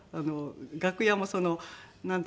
楽屋もそのなんていうのかな